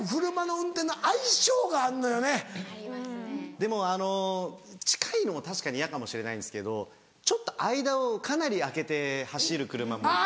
でもあの近いのも確かに嫌かもしれないんですけどちょっと間をかなり空けて走る車もいて。